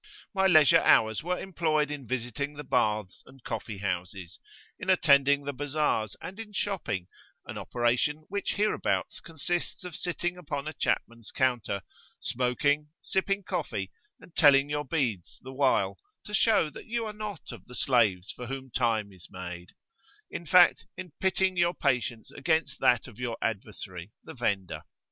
My leisure hours were employed in visiting the baths and coffee houses, in attending the bazars, and in shopping, an operation which hereabouts consists of sitting upon a chapman's counter, smoking, sipping coffee, and telling your beads the while, to show that you are not of the slaves for whom time is made; in fact, in pitting your patience against that of your adversary, the vendor.